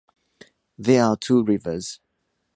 There are two rivers.